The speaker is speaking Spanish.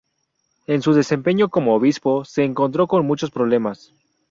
En su desempeño como obispo se encontró con muchos problemas.